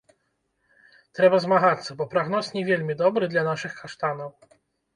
Трэба змагацца, бо прагноз не вельмі добры для нашых каштанаў.